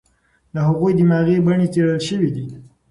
د هغوی دماغي بڼې څېړل شوې دي.